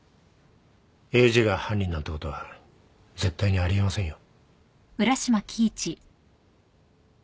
エイジが犯人なんてことは絶対にあり得ませんよ。